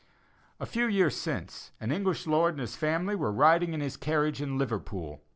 A few years since, an English lord and his family were riding in his carriage in Liverpool.